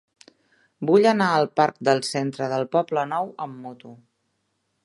Vull anar al parc del Centre del Poblenou amb moto.